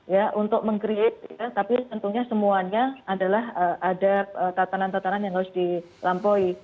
ya untuk meng create ya tapi tentunya semuanya adalah ada tatanan tatanan yang harus dilampaui